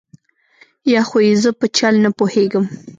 یا خو یې زه په چل نه پوهېږم.